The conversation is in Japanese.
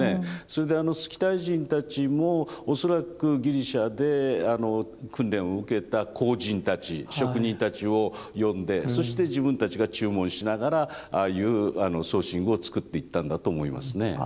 それでスキタイ人たちも恐らくギリシャで訓練を受けた工人たち職人たちを呼んでそして自分たちが注文しながらああいう装身具を作っていったんだと思いますね。